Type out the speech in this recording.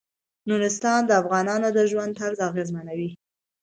نورستان د افغانانو د ژوند طرز اغېزمنوي.